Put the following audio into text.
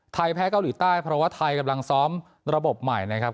ไทยแพ้เกาหลีใต้เพราะว่าไทยกำลังซ้อมระบบใหม่นะครับ